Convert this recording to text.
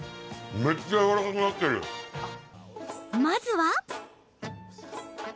まずは。